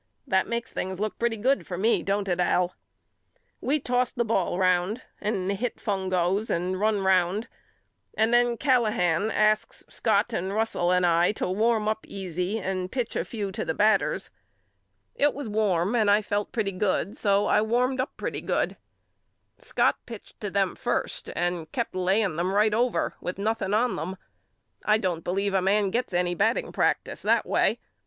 That makes things look pretty good for me don't it Al? We tossed the ball round and hit fungos and run round and then Callahan asks Scott and Russell and I to warm up easy and pitch a few to the batters. It was warm and I felt pretty good so I warmed up pretty good. Scott pitched to them first and kept laying them right over with noth i8 YOU KNOW ME AL ing on them. I don't believe a man gets any bat ting practice that way.